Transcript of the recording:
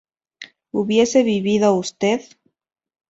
¿hubiese vivido usted?